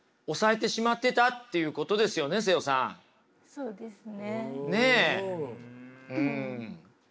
そうですね。